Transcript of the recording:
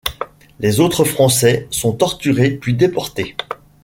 Les autres Français sont torturés puis déportés.